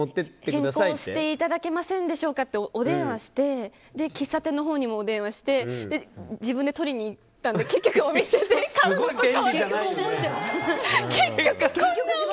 変更していただけませんでしょうかとお電話して喫茶店のほうにもお電話して自分で取りに行ったので結局重いものを。